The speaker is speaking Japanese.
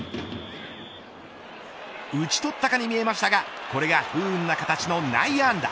打ち取ったかに見えましたがこれが不運な形の内野安打。